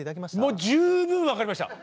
もう十分分かりました。